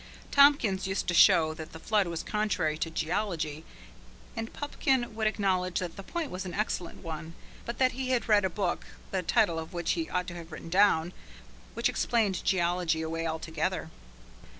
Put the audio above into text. Tompkins used to show that the flood was contrary to geology, and Pupkin would acknowledge that the point was an excellent one, but that he had read a book, the title of which he ought to have written down, which explained geology away altogether.